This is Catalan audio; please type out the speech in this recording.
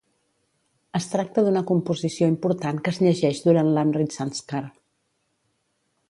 Es tracta d'una composició important que es llegeix durant l'Amrit Sanskar.